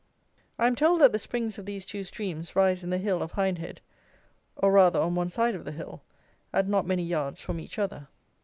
I am told that the springs of these two streams rise in the Hill of Hindhead, or, rather, on one side of the hill, at not many yards from each other.